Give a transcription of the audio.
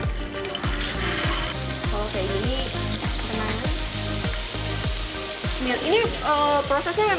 ini prosesnya memang harus dibalik balik atau bisa ditinggal